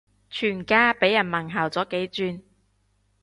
全家俾人問候咗幾轉